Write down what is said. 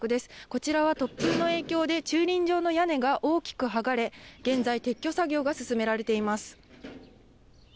こちらは突風の影響で駐輪場の屋根が大きく剥がれ、現在撤去作業が進められています。